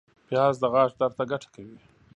پیاز د غاښ درد ته ګټه کوي